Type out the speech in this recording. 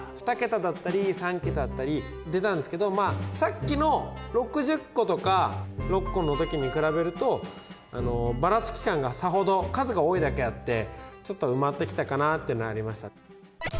２桁だったり３桁だったり出たんですけどまあさっきの６０個とか６個の時に比べるとばらつき感がさほど数が多いだけあってちょっと埋まってきたかなっていうのありました。